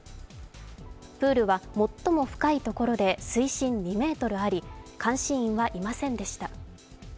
プールは最も深いところで水深２ｍあり監視員はいませんでした。